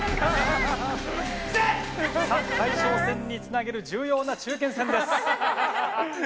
さぁ大将戦につなげ重要な中堅戦です。